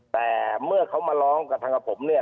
แต่เมื่อเขามาร้องกับทางกับผมเนี่ย